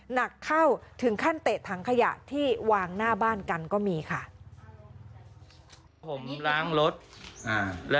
หนักเข้าถึงขั้นเตะถังขยะที่วางหน้าบ้านกันก็มีค่ะ